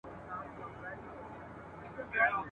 افغان ځواکونه له هره ګوټه راټولیږي.